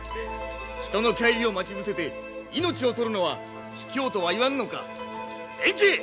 人の帰りを待ち伏せて命を取るのはひきょうとは言わぬのか弁慶！